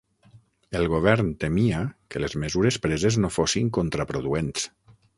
El govern temia que les mesures preses no fossin contraproduents.